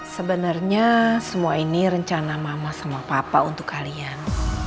sebenarnya semua ini rencana mama sama papa untuk kalian